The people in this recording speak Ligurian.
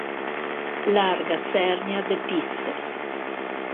Larga çernia de pisse.